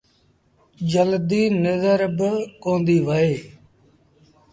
جلديٚ نزر باڪونديٚ وهي۔